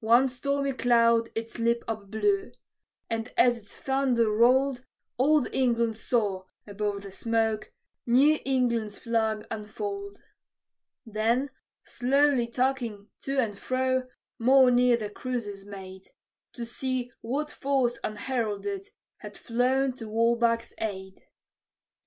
One stormy cloud its lip upblew; and as its thunder rolled, Old England saw, above the smoke, New England's flag unfold. Then, slowly tacking to and fro, more near the cruisers made, To see what force unheralded had flown to Walbach's aid.